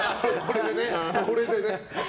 これでね。